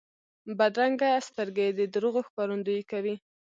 بدرنګه سترګې د دروغو ښکارندویي کوي